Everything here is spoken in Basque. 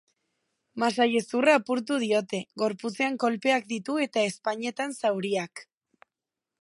Masailezurra apurtu diote, gorputzean kolpeak ditu eta ezpainetan zauriak.